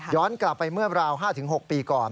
กลับไปเมื่อราว๕๖ปีก่อน